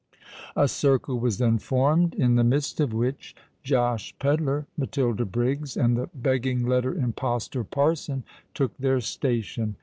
A circle was then formed, in the midst of which Josh Pedler, Matilda Briggs, and the begging letter impostor parson took their station.